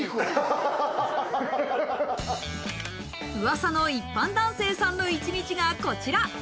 噂の一般男性さんの１日がこちら。